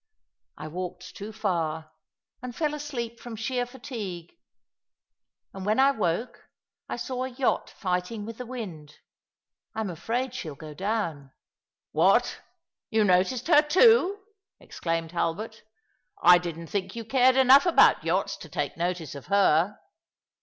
I walked too far — and fell asleep from sheer fatigue ; and when I woke I saw a yacht fighting with the wind. I'm afraid she'll go down." " What, yon noticed her too ?" exclaimed Hulbert. " I didn't think you cared enough about yachts to take notice of her.